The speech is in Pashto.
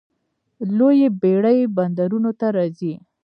لویې بیړۍ بندرونو ته راځي.